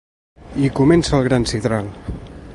I comença el gran sidral.